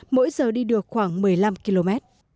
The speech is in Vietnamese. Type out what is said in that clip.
mỗi giờ đi được khoảng một mươi năm km